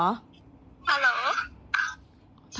ทำไมหนูพูดไม่ได้เหรอ